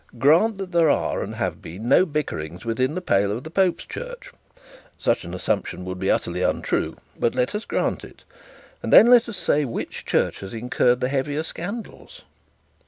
Grant that there are and have been no bickerings within the pale of the Pope's Church. Such an assumption would be utterly untrue; but let us grant it, and then let us say which church has incurred the heaviest scandals.'